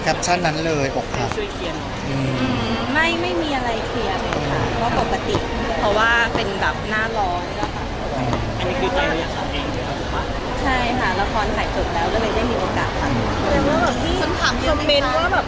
ขอแคปชั่นนั้นเลยไม่มีอะไรเคียมเพราะปกติเพราะว่าเป็นแบบหน้าร้อง